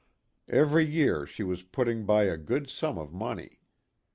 Every year she was putting by a good sum of money.